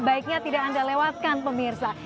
baiknya tidak anda lewatkan pemirsa